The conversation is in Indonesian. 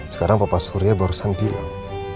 sekarang bapak surya barusan bilang